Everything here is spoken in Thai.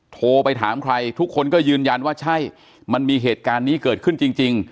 โทรไปถามใครทุกคนก็ยืนยันว่าใช่มันมีเหตุการณ์นี้เกิดขึ้นจริง